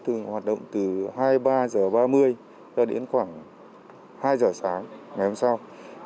thường hoạt động từ hai mươi ba h ba mươi đến khoảng hai h sáng ngày hôm sau